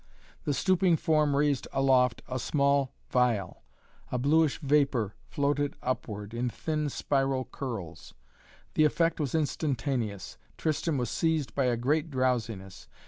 The stooping form raised aloft a small phial. A bluish vapor floated upward, in thin spiral curls. The effect was instantaneous. Tristan was seized by a great drowsiness.